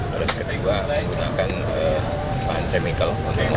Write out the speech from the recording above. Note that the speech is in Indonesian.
terus ketiga kita akan menggunakan bahan semikal